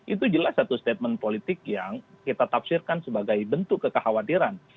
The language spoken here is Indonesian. itu jelas satu statement politik yang kita tafsirkan sebagai bentuk kekhawatiran